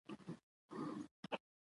افغانستان د مورغاب سیند لپاره مشهور دی.